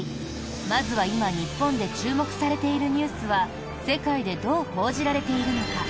まずは今、日本で注目されているニュースは世界でどう報じられているのか？